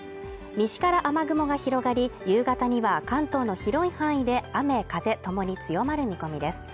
西から雨雲が広がり夕方には関東の広い範囲で雨、風ともに強まる見込みです